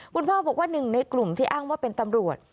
คุณพ่อบอกว่าหนึ่งในกลุ่มที่อ้างว่าเป็นตำรวจ